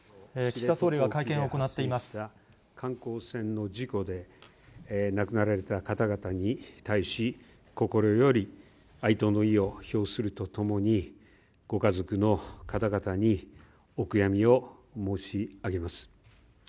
岸田総理が会見を行っていま観光船の事故で亡くなられた方々に対し、心より哀悼の意を表するとともに、ご家族の方々にお悔やみを申し上げます。